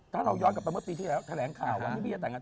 ถ้าเราย้อนกลับไปเมื่อปีที่แล้วแถลงข่าววันที่พี่จะแต่งงาน